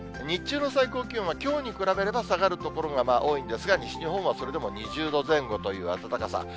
日中の最高気温はきょうに比べれば下がる所が多いんですが、西日本はそれでも２０度前後という暖かさ。